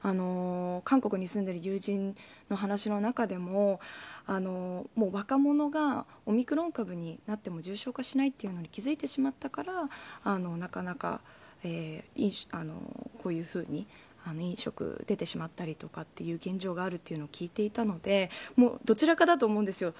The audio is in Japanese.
韓国に住んでいる友人の話の中でも若者がオミクロン株になっても重症化しないことに気付いてしまったからなかなか、こういうふうに飲食に出てしまったりという現状があるというのを聞いていたのでどちらかだと思うんです。